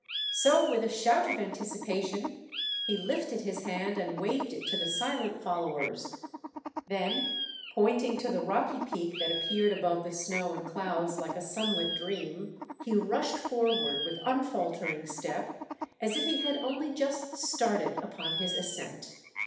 So with a shout of anticipation he lifted his hand and waved it to the silent followers; then, pointing to the rocky peak that appeared above the snow and clouds like a sunlit dream, he rushed forward with unfaltering step, as if he had only just started upon his ascent.